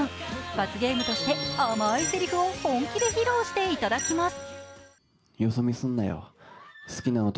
罰ゲームとして甘いせりふを本気で披露していただきます。